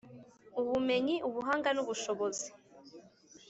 Ubumenyi ubuhanga n ubushobozi